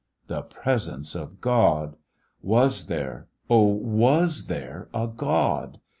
The presence of God I Was there, oh, was there, a Grod?